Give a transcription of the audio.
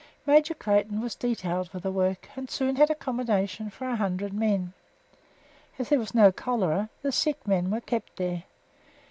Major Clayton was detailed for the work, and soon had accommodation for a hundred men. As there was no cholera, the sick men were kept here.